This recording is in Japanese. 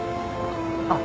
あっ。